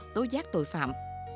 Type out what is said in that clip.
tối giác tội phạm